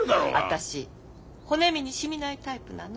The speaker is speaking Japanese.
私骨身にしみないタイプなの。